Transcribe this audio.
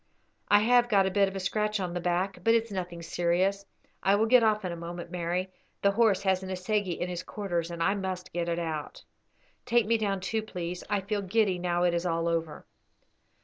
"I have got a bit of a scratch on the back, but it's nothing serious. I will get off in a moment, Mary; the horse has an assegai in his quarters, and I must get it out." "Take me down, too, please; I feel giddy now it is all over."